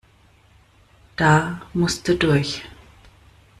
Da musste durch.